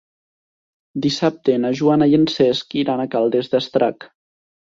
Dissabte na Joana i en Cesc iran a Caldes d'Estrac.